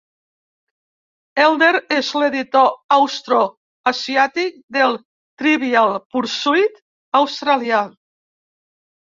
Elder és l'editor austro-asiàtic del Trivial Pursuit australià.